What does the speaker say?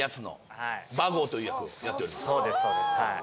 そうですそうですはい。